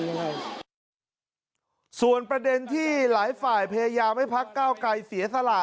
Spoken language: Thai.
ยังไงส่วนประเด็นที่หลายฝ่ายพยายามให้พักเก้าไกรเสียสละ